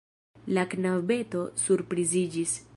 La knabeto surpriziĝis.